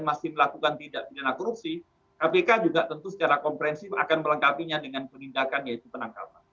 masih melakukan tidak pidana korupsi kpk juga tentu secara komprehensif akan melengkapinya dengan penindakan yaitu penangkapan